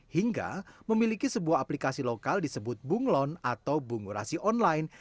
hingga memiliki sebuah aplikasi lokal disebut bunglon atau bungurasi online